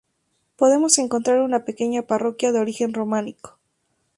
Podemos encontrar una pequeña parroquia de origen románico.